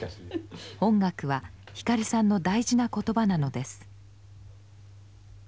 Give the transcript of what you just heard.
音楽は光さんの大事な言葉なのです。